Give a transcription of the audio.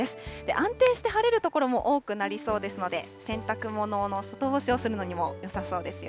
安定して晴れる所も多くなりそうですので、洗濯物の外干しをするのにもよさそうですよ。